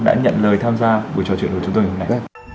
đã nhận lời tham gia buổi trò chuyện của chúng tôi ngày hôm nay